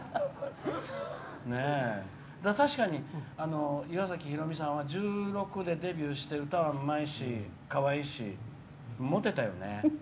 確かに岩崎宏美さんは１６でデビューして歌はうまいしかわいいし、モテたよね。